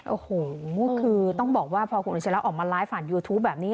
โอ้โหคือต้องบอกว่าพอคุณอัจฉริยะออกมาไลฟ์ผ่านยูทูปแบบนี้